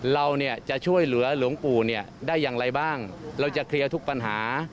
เราเนี่ยจะช่วยเหลือหลวงปู่เนี่ยได้อย่างไรบ้างเราจะเคลียร์ทุกปัญหา